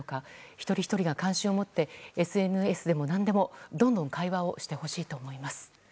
一人ひとりが関心を持ってＳＮＳでも何でもどんどん会話をしてほしいと思います。